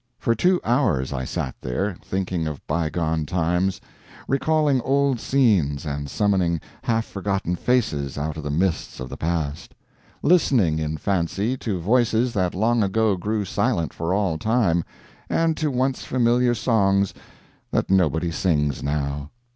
For two hours I sat there, thinking of bygone times; recalling old scenes, and summoning half forgotten faces out of the mists of the past; listening, in fancy, to voices that long ago grew silent for all time, and to once familiar songs that nobody sings now.